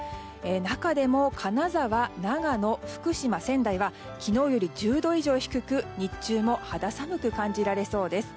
中でも金沢、長野、福島、仙台は昨日より１０度以上低く日中も肌寒く感じられそうです。